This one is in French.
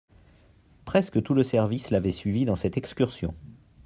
Presque tout le service l'avait suivi dans cette excursion.